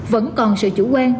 vẫn còn sự chủ quan